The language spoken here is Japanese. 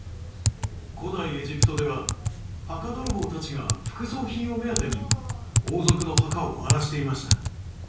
古代エジプトでは墓泥棒たちが副葬品を目当てに王族の墓を荒らしていました。